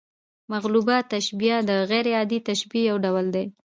مقلوبه تشبیه د غـير عادي تشبیه یو ډول دئ.